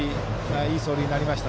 いい走塁になりました。